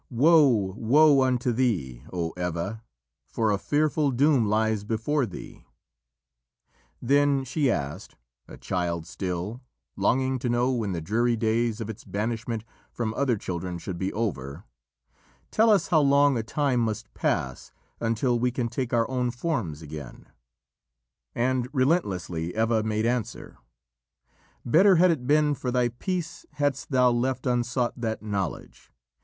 Woe, woe unto thee, O Eva, for a fearful doom lies before thee!" Then she asked a child still, longing to know when the dreary days of its banishment from other children should be over "Tell us how long a time must pass until we can take our own forms again." [Illustration: ONE TOUCH FOR EACH, WITH A MAGICAL WAND OF THE DRUIDS] And, relentlessly, Eva made answer: "Better had it been for thy peace hadst thou left unsought that knowledge.